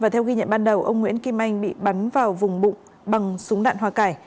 theo ghi nhận ban đầu ông nguyễn kim anh bị bắn vào vùng bụng bằng súng đạn hòa cải